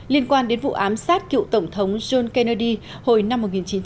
liên quan đến vụ ám sát cựu tổng thống john kennedy hồi năm một nghìn chín trăm bảy mươi